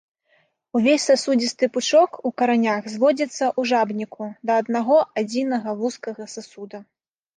Увесь сасудзісты пучок у каранях зводзіцца ў жабніку да аднаго-адзінага вузкага сасуда.